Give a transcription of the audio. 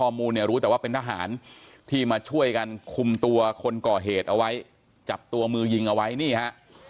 มูลเนี่ยรู้แต่ว่าเป็นทหารที่มาช่วยกันคุมตัวคนก่อเหตุเอาไว้จับตัวมือยิงเอาไว้นี่ฮะ